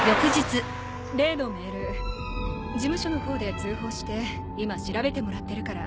例のメール事務所の方で通報して今調べてもらってるから。